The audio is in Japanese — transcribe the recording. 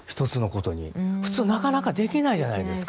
普通、なかなかできないじゃないですか。